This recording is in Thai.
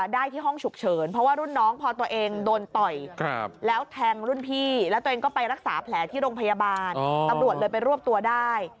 แล้วตัวเองก็ไปรักษาแผลที่โรงพยาบาลตำรวจเลยไปรวบตัวได้